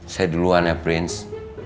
saya duluan ya prince